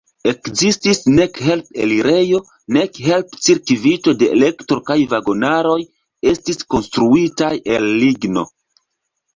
Ekzistis nek help-elirejo, nek help-cirkvito de elektro kaj vagonaroj estis konstruitaj el ligno.